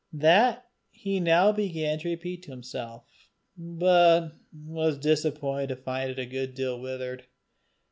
That he now began to repeat to himself, but was disappointed to find it a good deal withered.